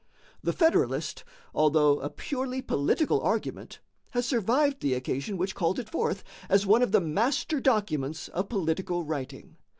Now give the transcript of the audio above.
"The Federalist," although a purely political argument, has survived the occasion which called it forth, as one of the master documents of political writing.